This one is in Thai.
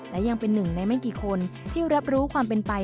และยังเป็นหนึ่งในไม่กี่คนที่รับรู้ความเป็นไป